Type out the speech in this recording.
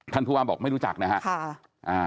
ผู้ว่าบอกไม่รู้จักนะครับ